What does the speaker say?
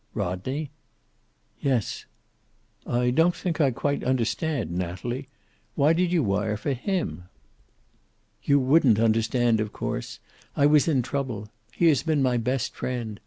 "Rodney?" "Yes." "I don't think I quite understand, Natalie. Why did you wire for him?" "You wouldn't understand, of course. I was in trouble. He has been my best friend.